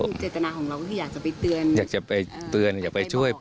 คือเจตนาของเราก็คืออยากจะไปเตือนอยากจะไปเตือนอยากไปช่วย